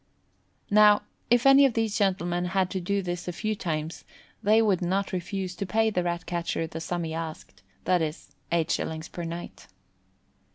Now, if any of these gentlemen had to do this a few times they would not refuse to pay the Rat catcher the sum he asks, viz., 8s. per night.